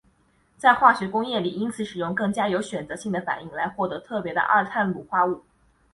在化学工业里因此使用更加有选择性的反应来获得特别的二碳卤化物。